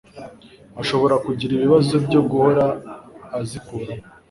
ashobora kugira ibibazo byo guhora azikuramo